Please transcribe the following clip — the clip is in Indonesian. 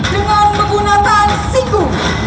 dengan menggunakan siku